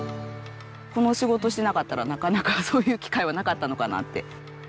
この仕事してなかったらなかなかそういう機会はなかったのかなって。